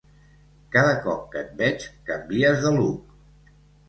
Cada cop que et veig canvies de look.